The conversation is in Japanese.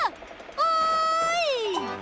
おい！